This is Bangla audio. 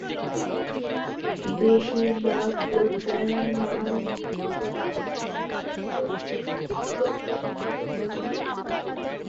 বেশিরভাগ অধ্যায়ের নাম গুলি এখনও আজ পর্যন্ত অভ্যস্ত।